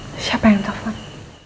saya pengen telfon